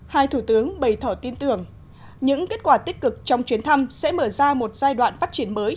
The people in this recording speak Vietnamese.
hai thủ tướng bày tỏ tin tưởng những kết quả tích cực trong chuyến thăm sẽ mở ra một giai đoạn phát triển mới